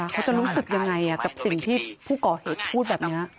เขาจะรู้สึกยังไงกับสิ่งที่ผู้ก่อเหตุพูดแบบนี้